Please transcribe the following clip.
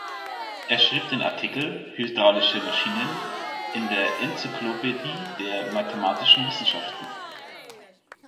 Er schrieb den Artikel „Hydraulische Maschinen“ in der "Enzyklopädie der mathematischen Wissenschaften".